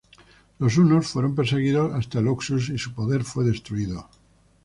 Los hunos fueron perseguidos hasta el Oxus, y su poder fue destruido.